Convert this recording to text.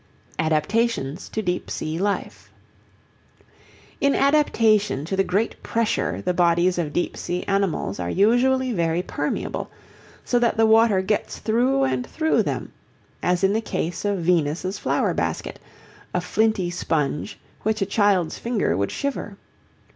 Adaptations to Deep sea Life In adaptation to the great pressure the bodies of deep sea animals are usually very permeable, so that the water gets through and through them, as in the case of Venus' Flower Basket, a flinty sponge which a child's finger would shiver.